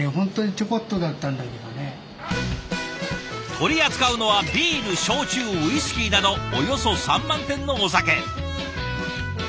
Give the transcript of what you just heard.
取り扱うのはビール焼酎ウイスキーなどおよそ３万点のお酒。